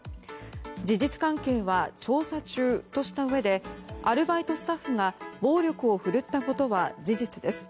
事実関係は調査中としたうえでアルバイトスタッフが暴力を振るったことは事実です。